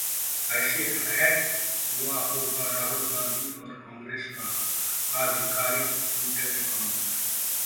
ऐसे हैक हुआ होगा राहुल गांधी और कांग्रेस का आधिकारिक ट्विटर अकाउंट